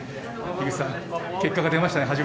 樋口さん、結果が出ましたね。